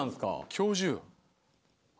教授？